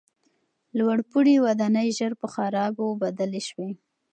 لوړپوړي ودانۍ ژر په خرابو بدلې سوې.